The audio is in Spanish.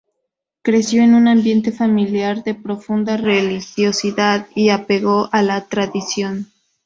Creció en un ambiente familiar de profunda religiosidad y apego a la tradición.